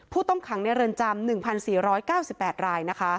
ผู้ต้องขังในเรือนจำ๑๔๙๘ราย